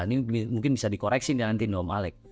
ini mungkin bisa dikoreksi nanti om malek